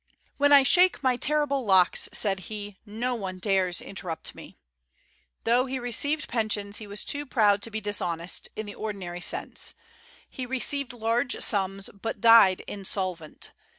"When I shake my terrible locks," said he, "no one dares interrupt me." Though he received pensions, he was too proud to be dishonest, in the ordinary sense. He received large sums, but died insolvent.